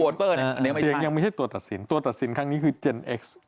ยังไม่ใช่ตัวตัดสินตัวตัดสินครั้งนี้คือเจนเอ็กซ์